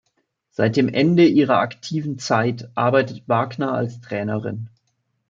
Seit dem Ende ihrer aktiven Zeit arbeitet Wagner als Trainerin.